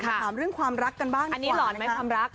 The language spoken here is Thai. มาถามเรื่องความรักกันบ้างดีกว่าอันนี้ร้อนไหมความรัก